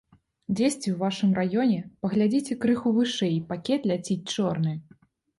Дзесьці ў вашым раёне паглядзіце крыху вышэй пакет ляціць чорны.